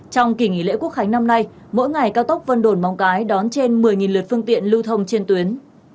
trong kỳ nghỉ lễ quốc khánh năm nay mỗi ngày cao tốc vân đồn mong cái đón trên một mươi lượt phương tiện lưu thông trên tuyến